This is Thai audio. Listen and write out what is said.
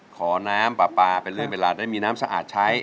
ขอน้ำปลาปลาเป็นเรื่องเวลาได้มีน้ำสะอาดใช้